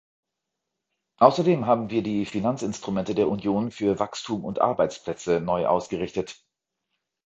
Außerdem haben wir die Finanzinstrumente der Union für Wachstum und Arbeitsplätze neu ausgerichtet.